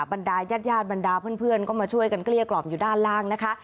บรรดายาดบรรดาเพื่อนก็มาช่วยกันเกลี้ยกล่อมอยู่ด้านล่างนะคะ